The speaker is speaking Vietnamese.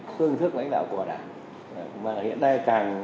khương thức lãnh đạo của đảng